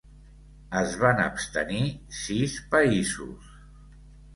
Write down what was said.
Es van abstenir sis països: